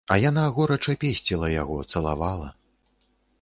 А яна горача песціла яго, цалавала.